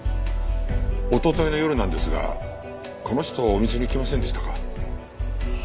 おとといの夜なんですがこの人お店に来ませんでしたか？